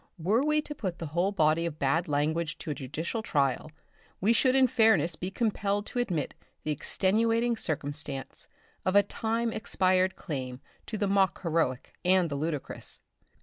Were we to put the whole body of bad language to a judicial trial, we should in fairness be compelled to admit the extenuating circumstance of a time expired claim to the mock heroic and the ludicrous.